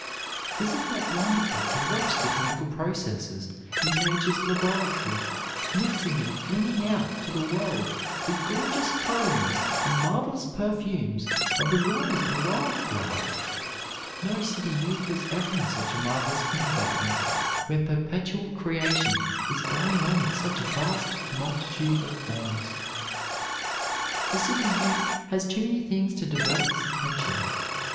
Is it not wonderful to watch the chemical processes in nature's laboratory, mixing and flinging out to the world the gorgeous colorings and marvelous perfumes of the rose and wild flower! No city youth was ever in such a marvelous kindergarten, where perpetual creation is going on in such a vast multitude of forms. The city youth has too many things to divert his attention.